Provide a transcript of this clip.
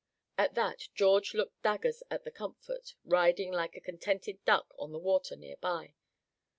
At that George looked daggers at the Comfort, riding like a contented duck on the water near by.